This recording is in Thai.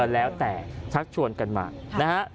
แล้วแต่ชักชวนกันมานะฮะ